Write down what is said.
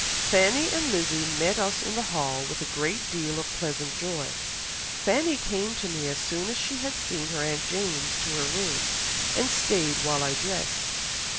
Fanny and Lizzy met us in the hall with a great deal of pleasant joy.... Fanny came to me as soon as she had seen her aunt James to her room, and stayed while I dressed